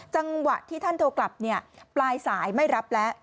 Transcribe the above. จังหวะที่ท่านโทรกลับปลายสายไม่รับแล้ว